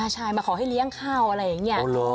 ใช่มาขอให้เลี้ยงข้าวอะไรอย่างนี้